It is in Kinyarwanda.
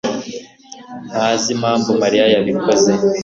ntazi impamvu Mariya yabikoze.